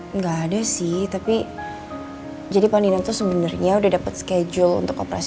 enggak ada sih tapi jadi pak nino tuh sebenarnya udah dapet schedule untuk operasi